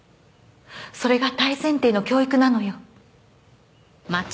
それが大前提の教育なのよ。